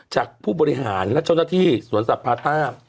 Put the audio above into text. จากผู้บริหารและเจ้าหน้าที่สวนสัตว์พาธาตุ